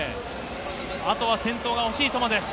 あとは先頭がほしいトマです。